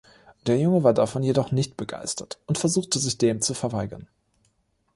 Der Junge war davon jedoch nicht begeistert und versuchte sich dem zu verweigern.